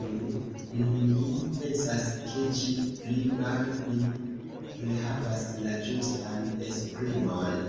Nu, nun mi pensas, ke ĝi pli-malpi rehavas la ĝustan esprimon!